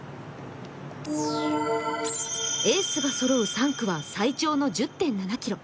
エースがそろう３区は最長の１０．７ｋｍ。